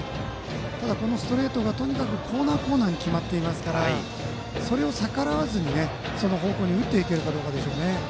ただ、ストレートがとにかくコーナー、コーナーに決まっていますからそれを逆らわずその方向に打てるかですね。